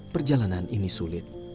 perjalanan ini sulit